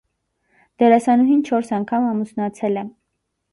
Դերասանուհին չորս անգամ ամուսնացել է։